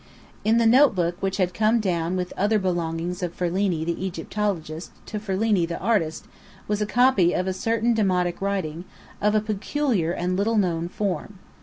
In the notebook which had come down with other belongings of Ferlini the Egyptologist, to Ferlini the artist, was a copy of certain Demotic writing, of a peculiar and little known form.